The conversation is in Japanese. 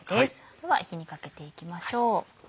では火にかけていきましょう。